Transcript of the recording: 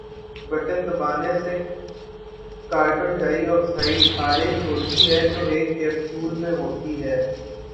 Button دبانے سے carbon dioxide خارج ہوتی ہے جو ایک کیپسول میں ہوتی ہے۔